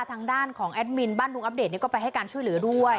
ทางด้านของแอดมินบ้านลุงอัปเดตก็ไปให้การช่วยเหลือด้วย